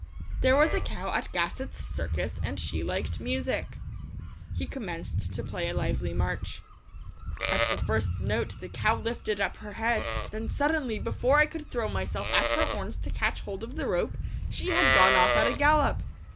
"There was a cow at Gassot's Circus and she liked music." He commenced to play a lively march. At the first note the cow lifted up her head; then suddenly, before I could throw myself at her horns to catch hold of the rope, she had gone off at a gallop.